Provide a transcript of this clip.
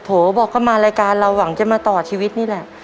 บอกก็มารายการเราหวังจะมาต่อชีวิตนี่แหละ